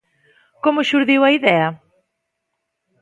Como xurdiu a idea?